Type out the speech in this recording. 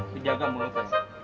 dijaga menurut lo